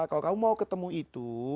kalau kamu mau ketemu itu